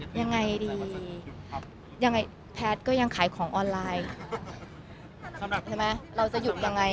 ยังไงดียังไงแพทย์ก็ยังขายของออนไลน์สำหรับใช่ไหมเราจะหยุดยังไง